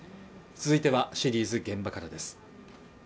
続いてはシリーズ現場からです